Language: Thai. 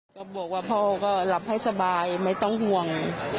ก็บอกว่าพ่อก็หลับให้สบายไม่ต้องห่วง